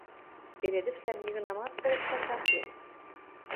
— пеледӹшвлӓм нигынамат колышташ ак кел.